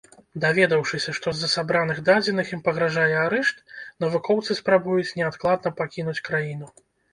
Даведаўшыся, што з-за сабраных дадзеных ім пагражае арышт, навукоўцы спрабуюць неадкладна пакінуць краіну.